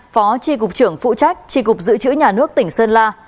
phó tri cục trưởng phụ trách tri cục dự trữ nhà nước tỉnh sơn la